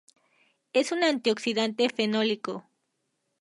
Es un antioxidante fenólico.